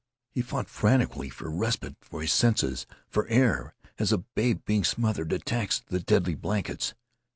He fought frantically for respite for his senses, for air, as a babe being smothered attacks the deadly blankets.